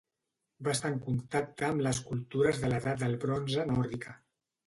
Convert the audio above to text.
Va estar en contacte amb les cultures de l'edat del bronze nòrdica.